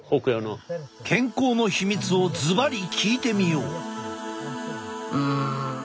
健康の秘密をずばり聞いてみよう。